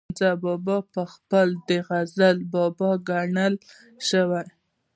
حمزه بابا پخپله د غزل بابا ګڼلی شو